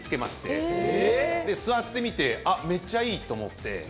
座ってみてあっめっちゃいいと思って。